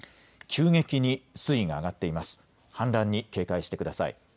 急激に水位が上がっています。